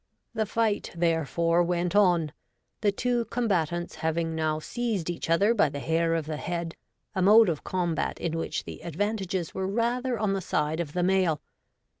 The fight therefore went on, the two combatants having now seized each other by the hair of the head, a mode of combat in which the advantages were rather on the side of the male.